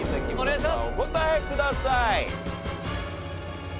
お答えください。